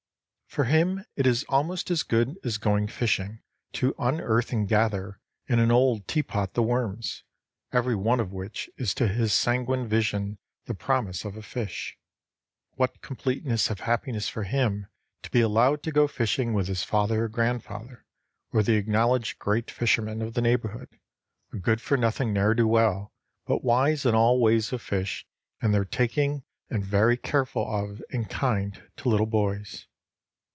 For him it is almost as good as going fishing, to unearth and gather in an old teapot the worms, every one of which is to his sanguine vision the promise of a fish. What completeness of happiness for him to be allowed to go fishing with his father or grandfather or the acknowledged great fisherman of the neighborhood, a good for nothing ne'er do well, but wise in all the ways of fish and their taking and very careful of and kind to little boys.